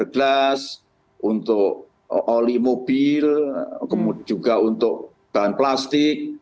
gelas untuk oli mobil kemudian juga untuk bahan plastik